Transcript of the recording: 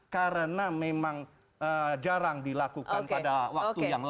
karena memang jarang dilakukan pada waktu yang lalu